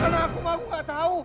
karena aku mak aku gak tau